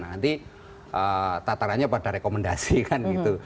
nanti tatarannya pada rekomendasi kan gitu